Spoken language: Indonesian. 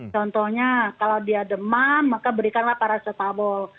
contohnya kalau dia demam maka berikanlah paracetabol